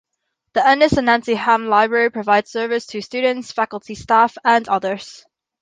The Ennis and Nancy Ham Library provides service to students, faculty, staff, and others.